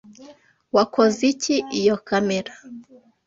Wakoze iki iyo kamera?